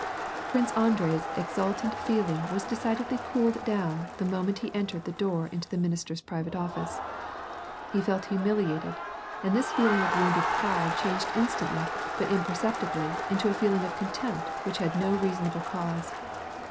Prince Andrei's exultant feeling was decidedly cooled down the moment he entered the door into the lainister's private office. He felt humiliated, and this feeling of wounded pride changed instantly but imperceptibly into a feeling of contempt which had no reason able cause.